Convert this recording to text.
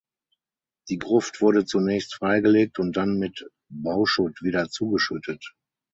Die Gruft wurde zunächst freigelegt und dann mit Bauschutt wieder zugeschüttet.